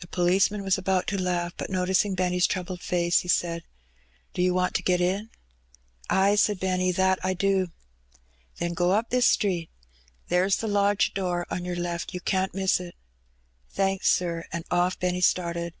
The pohceman was about to laugh, but noticing Benny's troabled face, he said — "Do you want to get in?" " A.j" said Benny, " that I do." " Then go up this street. There's the lodge door on yoor left ; you can't miss it." "Thanks, sir," and off Benny started.